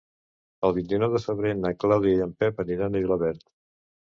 El vint-i-nou de febrer na Clàudia i en Pep aniran a Vilaverd.